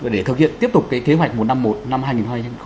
để thực hiện tiếp tục cái kế hoạch một trăm năm mươi một